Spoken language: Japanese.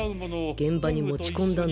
現場に持ち込んだんでしょう。